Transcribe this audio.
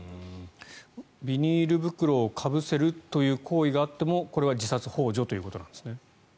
ビニール袋をかぶせるという行為があってもこれは自殺ほう助ということなんですね。